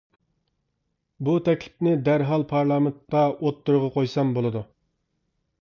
بۇ تەكلىپنى دەرھال پارلامېنتتا ئوتتۇرىغا قويسام بولىدۇ.